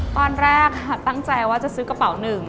ตอนแรกตั้งใจว่าจะซื้อกระเป๋าหนึ่ง